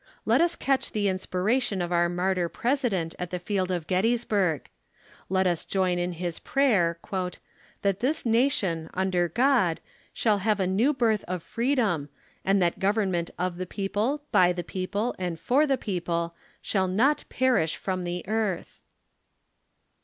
Let us catch the inspiration of our Martyr President at the field of Gettysburgh ; let us join in his prayer " That this nation, under God, shall have a new birth of freedom, and that Government of the peo ple, by the people, and for the people, shall not perish from the earth."